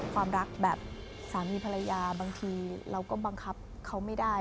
ความรักแบบสามีภรรยาบางทีเราก็บังคับเขาไม่ได้